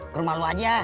ke rumah lo aja